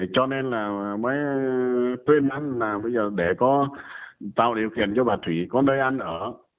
cho nên là mới tuyên án là bây giờ để có tạo điều kiện cho bà thủy có nơi ăn ở